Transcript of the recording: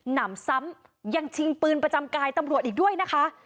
หนำซ้ำยังชิงปืนประจำกายตำรวจอีกด้วยนะคะ